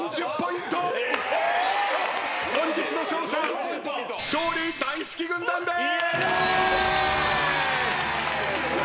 本日の勝者勝利大好き軍団です。